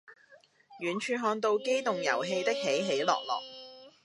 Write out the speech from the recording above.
遠處看到機動遊戲的起起落落